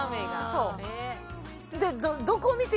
そう。